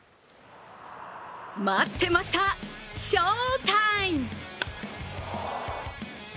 待ってました、翔タイム。